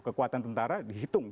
kekuatan tentara dihitung